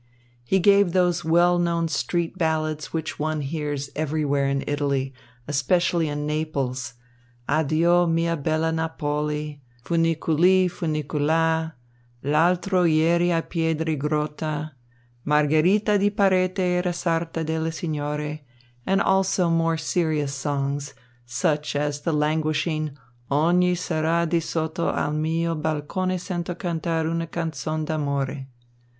He gave those well known street ballads which one hears everywhere in Italy, especially in Naples: "Addio mia bella Napoli," "Funiculi Funicula," "L'altro ieri a Piedigrotta," "Margherita di Parete era sarta delle signore," and also more serious songs, such as the languishing "Ogni sera di sotto all' mio balcone sento cantar una canzon d' amore."